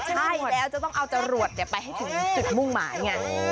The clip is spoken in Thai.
ใช่แล้วจะต้องเอาจรวดไปให้ถึงจุดมุ่งหมายไง